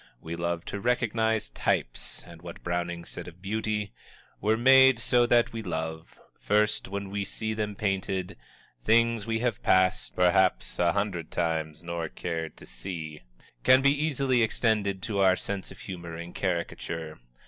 We love to recognize types; and what Browning said of beauty: We're made so that we love First, when we see them painted, Things we have passed Perhaps a hundred times nor cared to see can be easily extended to our sense of humor in caricature.